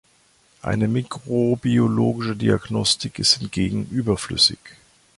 Eine mikrobiologische Diagnostik ist hingegen überflüssig.